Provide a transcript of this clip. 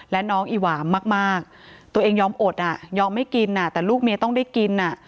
และน้องอีหวามมากตัวเองยอมอดอ่ะยอมไม่กินแต่ลูกเมียต้องได้กิน